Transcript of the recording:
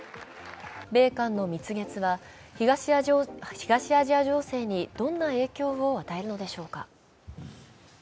米韓の蜜月は東アジア情勢にどんな影響を与えるのでしょうか。